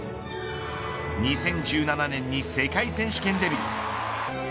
２０１７年に世界選手権デビュー。